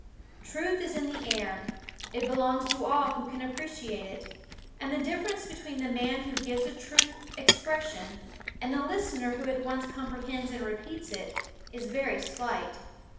Truth is in the air; it belongs to all who can appreciate it; and the difference between the man who gives a truth expression and the listener who at once comprehends and repeats it, is very slight.